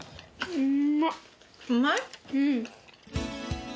うん。